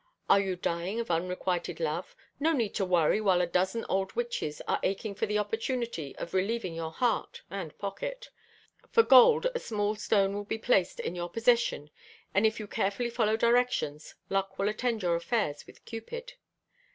Are you dying of unrequited love? No need to worry while a dozen old witches are aching for the opportunity of relieving your heart (and pocket). For gold a small stone will be placed in your possession and if you carefully follow directions, luck will attend your affairs with Cupid.